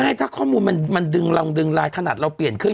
ไม่ถ้าข้อมูลมันดึงเราดึงไลน์ขนาดเราเปลี่ยนเครื่อง